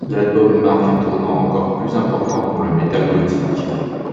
L'album ' marque un tournant encore plus important pour le metal gothique.